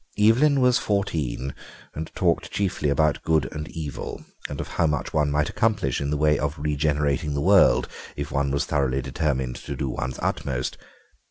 Evelyn was fourteen and talked chiefly about good and evil, and of how much one might accomplish in the way of regenerating the world if one was thoroughly determined to do one's utmost.